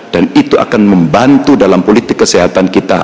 dan itu akan membantu dalam politik kesehatan kita